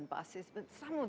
di timustedech yah